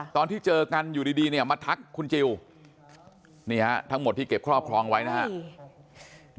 ตอนที่เจอกันอยู่ดีเนี่ยมาทักคุณจิลนี่ฮะทั้งหมดที่เก็บครอบครองไว้นะครับ